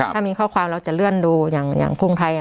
ถ้ามีข้อความเราจะเลื่อนดูอย่างกรุงไทย